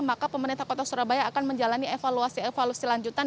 maka pemerintah kota surabaya akan menjalani evaluasi evaluasi lanjutan